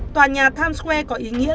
tòa nhà times square có ý nghĩa